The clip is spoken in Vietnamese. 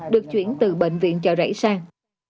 được chuyển từ bệnh viện chợ rẫy sang